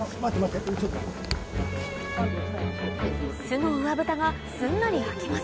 巣の上ぶたがすんなり開きません